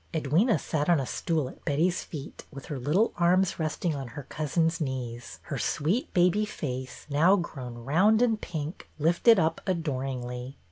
Edwyna sat on a stool at Betty's feet with her little arms resting on her cousin's knees, her sweet baby face, pow grown round and pink, lifted up adoringly.